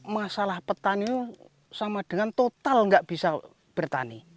masalah petani itu sama dengan total nggak bisa bertani